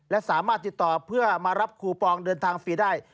และสามารถติดต่อเพื่อมารับคูปองเดินทางฟรีได้